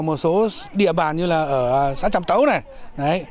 một số địa bàn như là ở xã trạm tấu này